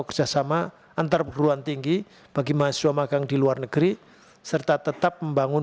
kerjasama antar perguruan tinggi bagi mahasiswa magang di luar negeri serta tetap membangun